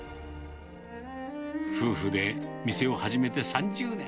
夫婦で店を始めて３０年。